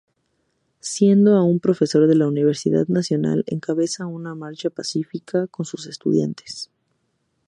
Siendo aún profesor de la Universidad Nacional, encabeza una marcha pacífica con sus estudiantes.